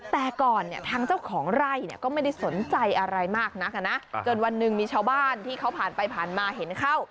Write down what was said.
แต่ก่อนเนี่ยทางเจ้าของไร่เนี่ยก็ไม่ได้สนใจอะไรมากนักอ่ะนะจนวันหนึ่งมีชาวบ้านที่เขาผ่านไปผ่านมาเห็นเข้า